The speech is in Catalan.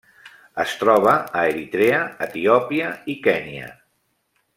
Es troba a Eritrea, Etiòpia i Kenya.